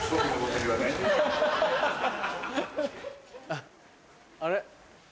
あっあれ？